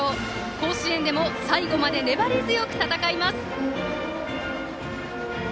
甲子園でも最後まで粘り強く戦います。